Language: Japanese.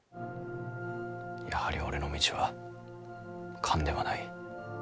やはり俺の道は官ではない。